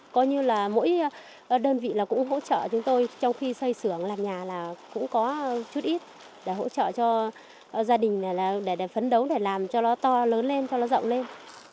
coi như là mỗi đơn vị cũng hỗ trợ chúng tôi trong khi xây xưởng làm nhà là cũng có chút ít để hỗ trợ cho gia đình để phấn đấu để làm cho nó to lớn lên cho nó rộng lên